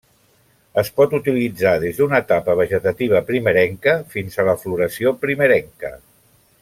Es pot utilitzar des d'una etapa vegetativa primerenca fins a la floració primerenca.